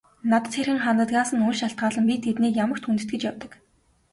Надад хэрхэн ханддагаас нь үл шалтгаалан би тэднийг ямагт хүндэтгэж явдаг.